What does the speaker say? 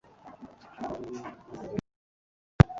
Wongeye guhura nibibazo sibyo